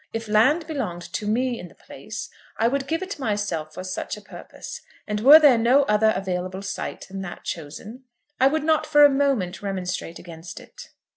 If land belonged to me in the place I would give it myself for such a purpose; and were there no other available site than that chosen, I would not for a moment remonstrate against it.